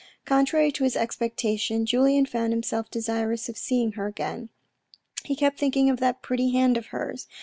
Contrary to his expectation Julien found himself desirous of seeing her again. He kept thinking of that pretty hand of hers.